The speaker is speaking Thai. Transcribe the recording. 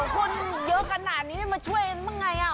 คนเยอะขนาดนี้ไม่มาช่วยเองบ้างไง